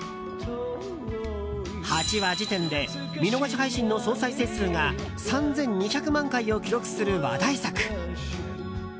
８話時点で見逃し配信の総再生数が３２００万回を記録する話題作。